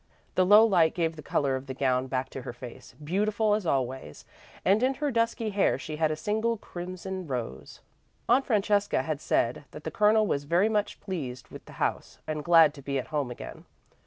The low light gave the colour of the gown back to her face, beautiful as always, and in her dusky hair she had a single crimson rose. Aunt Francesca had said that the Colonel was very much pleased with the house and glad to be at home again.